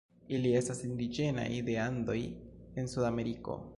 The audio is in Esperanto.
Ili estas indiĝenaj de Andoj en Sudameriko.